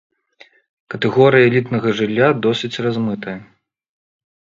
Катэгорыя элітнага жылля досыць размытая.